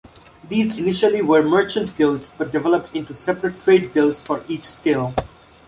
These initially were merchant guilds, but developed into separate trade guilds for each skill.